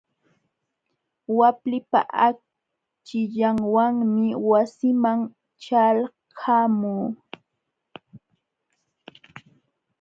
Waklipa akchillanwanmi wasiiman ćhalqamuu.